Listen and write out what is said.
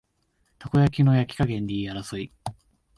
たこ焼きの焼き加減で言い争い